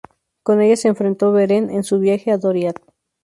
Con ellas se enfrentó Beren en su viaje a Doriath.